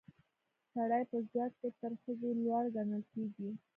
سړي په ځواک کې تر ښځو لوړ ګڼل کیږي